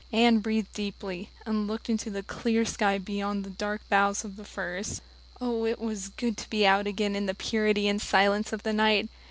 Anne breathed deeply, and looked into the clear sky beyond the dark boughs of the firs. Oh, it was good to be out again in the purity and silence of the night!